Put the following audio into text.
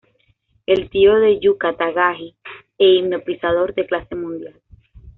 El tío de Yuka Takagi e hipnotizador de clase mundial.